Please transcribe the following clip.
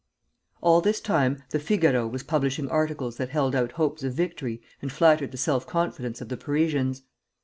] All this time the "Figaro" was publishing articles that held out hopes of victory and flattered the self confidence of the Parisians.